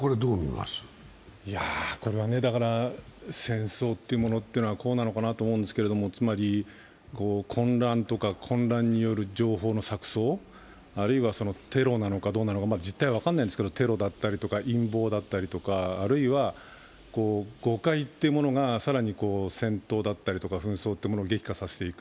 戦争というものはこうなのかなと思うんですけど、つまり、混乱とか、混乱による情報の錯そう、あるいはテロなのかどうなのか、実態は分からないですけど、テロだったり陰謀だったり、あるいは誤解というものが更に戦闘だったりとか紛争を激化させていく。